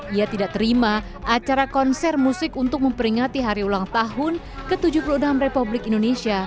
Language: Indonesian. ia tidak terima acara konser musik untuk memperingati hari ulang tahun ke tujuh puluh enam republik indonesia